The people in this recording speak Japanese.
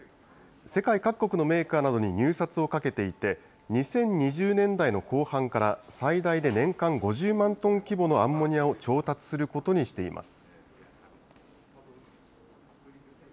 世界各国のメーカーなどに入札をかけていて、２０２０年代の後半から、最大で年間５０万トン規模のアンモニアを調達することにしています。